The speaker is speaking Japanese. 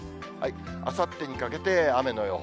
あさってにかけて雨の予報。